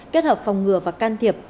kết hợp phòng ngừa và can thiệp